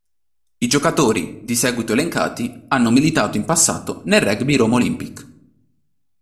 I giocatori di seguito elencati hanno militato in passato nel Rugby Roma Olimpic.